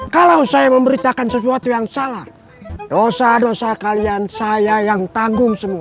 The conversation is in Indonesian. kalau saya memberitakan sesuatu yang salah dosa dosa kalian saya yang tanggung semua